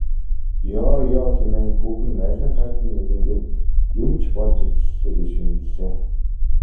Ёо ёо хэмээн хүүхэн наалинхайтан инээгээд юм ч болж эхэллээ гэж шивнэлээ.